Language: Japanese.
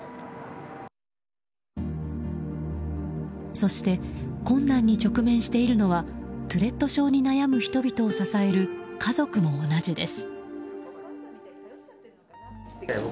そして困難に直面しているのはトゥレット症に悩む人々を支える家族も同じです。